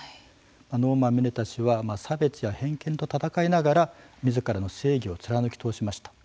ノーマン・ミネタ氏は差別や偏見と闘いながらみずからの正義を貫き通しました。